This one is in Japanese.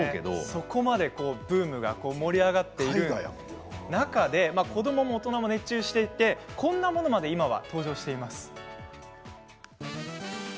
そこまでブームが盛り上がってる中で子どもも大人も熱中していてこんなものまで登場しています。